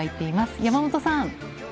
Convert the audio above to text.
山本さん。